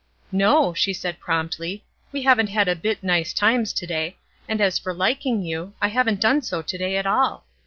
"No!" she said, promptly, "we haven't had a bit nice times to day, and as for liking you, I haven't done so to day at all.